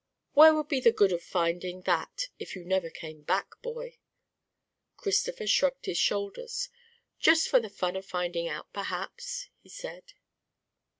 "Where would be the good of finding that if you never came back, boy?" Christopher shrugged his shoulders. "Just for the fun of finding out, perhaps," he said.